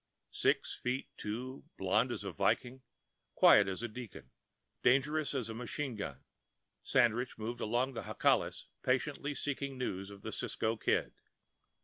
Six feet two, blond as a Viking, quiet as a deacon, dangerous as a machine gun, Sandridge moved among the Jacales, patiently seeking news of the Cisco Kid.